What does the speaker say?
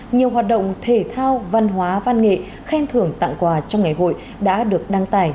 nhiều hoạt động thể thao văn hóa văn nghệ khen thưởng tặng quà trong ngày hội đã được đăng tải